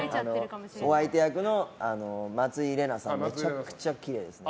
お相手役の松井玲奈さんはめちゃくちゃキレイですね。